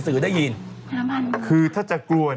พี่โลกเราจับภาพนะ